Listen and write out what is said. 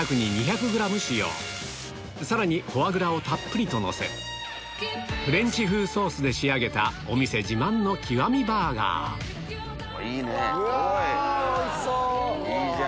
贅沢にさらにフォアグラをたっぷりとのせフレンチ風ソースで仕上げたお店自慢の極みバーガーうわおいしそう！